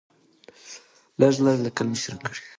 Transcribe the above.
لږ لږ ليکل مې شروع کړي دي